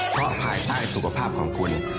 เพราะภายใต้สุขภาพของคุณ